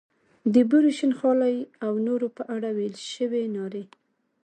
د بورې، شین خالۍ او نورو په اړه ویل شوې نارې.